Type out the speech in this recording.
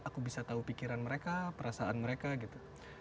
aku bisa tahu pikiran mereka perasaan mereka gitu